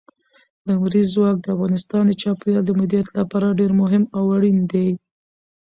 لمریز ځواک د افغانستان د چاپیریال د مدیریت لپاره ډېر مهم او اړین دي.